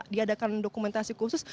diadakan dokumentasi khusus